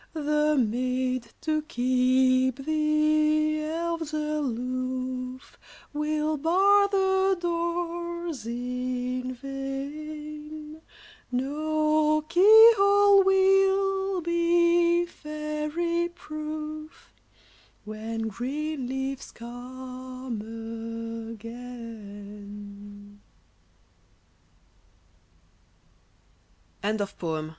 The maids, to keep the elves aloof, Will bar the doors in vain ; No key hole will be fairy proof, When green leaves come again.